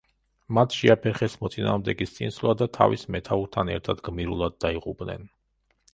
მათ შეაფერხეს მოწინააღმდეგის წინსვლა და თავის მეთაურთან ერთად გმირულად დაიღუპნენ.